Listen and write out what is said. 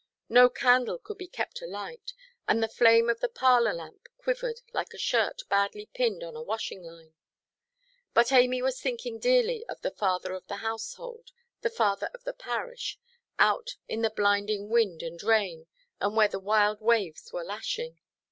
No candle could be kept alight, and the flame of the parlour lamp quivered like a shirt badly pinned on a washing–line. But Amy was thinking dearly of the father of the household, the father of the parish, out in the blinding wind and rain, and where the wild waves were lashing.